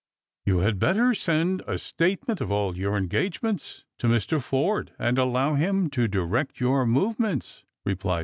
" Yon had better send a statement of all your engagements to Mr. Forde, and allow him to direct your movements," replied Mr?.